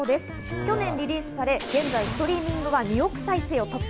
去年リリースされ、現在ストリーミングは２億再生を突破。